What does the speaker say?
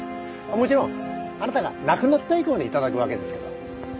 もちろんあなたが亡くなった以降に頂くわけですけど。